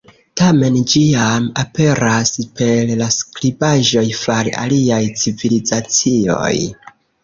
Tamen ĝi jam aperas per la skribaĵoj far aliaj civilizacioj.